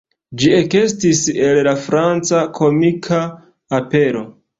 Ĝi ekestis el la franca komika opero.